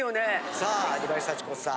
さあ小林幸子さん。